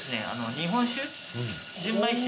日本酒。